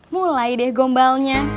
mulai deh gombalnya